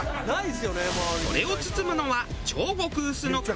それを包むのは超極薄の皮。